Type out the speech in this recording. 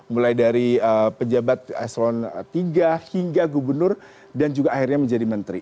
mulai dari pejabat eselon tiga hingga gubernur dan juga akhirnya menjadi menteri